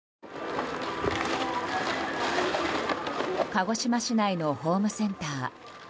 鹿児島県内のホームセンター。